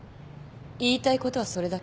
言いたいことはそれだけ？